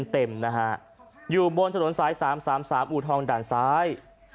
เต็มนะฮะอยู่บนถนนสาย๓๓อูทองด่านซ้าย